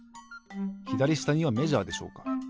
ひだりしたにはメジャーでしょうか？